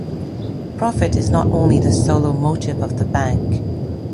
Profit is not only the solo motive of the bank.